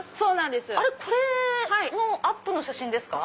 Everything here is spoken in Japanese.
これのアップの写真ですか？